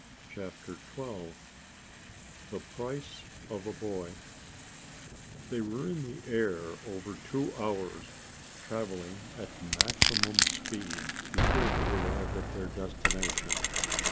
CHAPTER TWELVE The Price of a Boy They were in the air over two hours, traveling at maximum speed, before they arrived at their destination.